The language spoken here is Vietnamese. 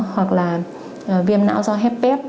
hoặc là viêm não do hepatitis b